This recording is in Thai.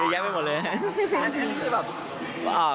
โอ้ยักษ์ไม่หมดเลย